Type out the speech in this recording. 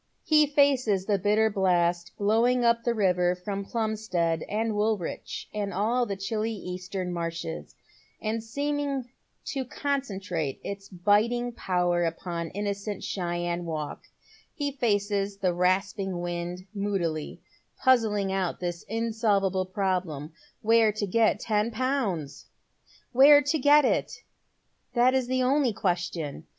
He faces the bitter blast blowing up the river from Plumstead and Woolwich and all the chilly eastern marshes, and seeming to concentrate its biting power upon innocent Cheyne Walk, he faces the rasping wind moodily, puzzling out this ineolvable problem, where to get ten pounds ! Where to get it ? that is the only question.